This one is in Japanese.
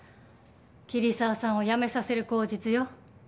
桐沢さんを辞めさせる口実よ。